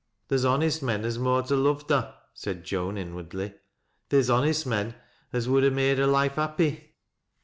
"Theer's honest men as mought ha' loved her," said Joaii, inwardly. " Theer's honest men as would ha' made hor b'fe happy."